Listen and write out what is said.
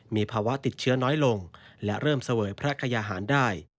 มีภาวะติดเชื้อน้อยลงและเริ่มเสวยพระคยาหารได้